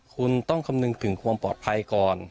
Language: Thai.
คุณต้องคำนึงถึงความปลอดภัยก่อน